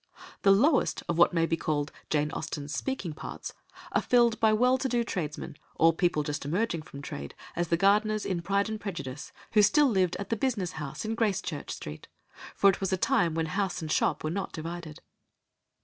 The lowest of what may be called Jane Austen's speaking parts are filled by well to do tradesmen, or people just emerging from trade, as the Gardeners in Pride and Prejudice, who still lived at the business house in Gracechurch Street; for it was a time when house and shop were not divided.